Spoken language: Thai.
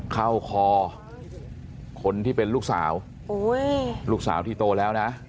เข้าคอคนที่เป็นลูกสาวลูกสาวที่โตแล้วนะ